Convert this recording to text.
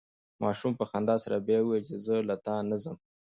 ماشوم په خندا سره بیا وویل چې زه له تا نه ځم.